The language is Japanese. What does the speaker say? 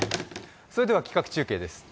それでは企画中継です。